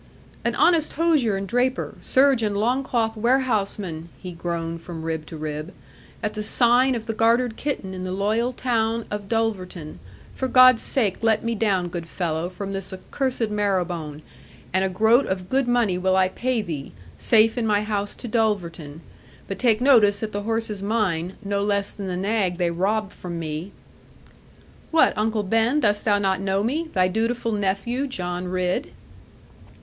'An honest hosier and draper, serge and longcloth warehouseman' he groaned from rib to rib 'at the sign of the Gartered Kitten in the loyal town of Dulverton. For God's sake, let me down, good fellow, from this accursed marrow bone; and a groat of good money will I pay thee, safe in my house to Dulverton; but take notice that the horse is mine, no less than the nag they robbed from me.' 'What, Uncle Ben, dost thou not know me, thy dutiful nephew John Ridd?'